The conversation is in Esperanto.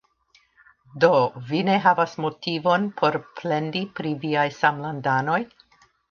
Do, vi ne havas motivon por plendi pri viaj samlandanoj?